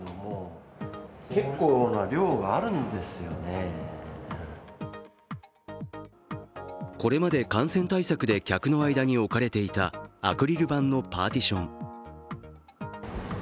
そしてこれまで感染対策で客の間に置かれていたアクリル板のパーティション。